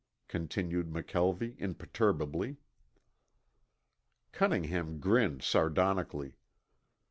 continued McKelvie imperturbably. Cunningham grinned sardonically.